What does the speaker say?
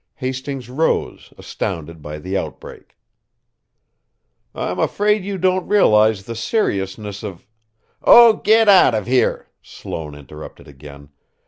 Hastings rose, astounded by the outbreak. "I'm afraid you don't realize the seriousness of " "Oh, get out of here!" Sloane interrupted again.